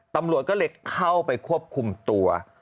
ตำรวจก็เลยเข้าไปควบคุมตัว